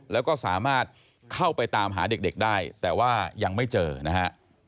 แล้วก็สามารถเข้าไปตามหาเด็กได้แต่ว่ายังไม่เจอนะฮะ